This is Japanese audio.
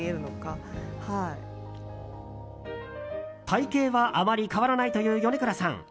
体形はあまり変わらないという米倉さん。